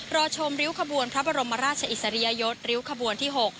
รอชมริ้วขบวนพระบรมอัฐฐิชศรียศริยศริ้วขบวนที่๖